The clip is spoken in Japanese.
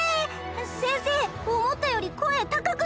先生思ったより声高くないですか！？